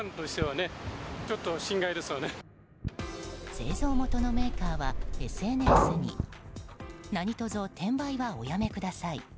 製造元のメーカーは、ＳＮＳになにとぞ、転売はおやめください。